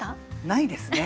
ないですね。